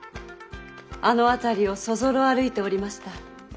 あの辺りをそぞろ歩いておりました。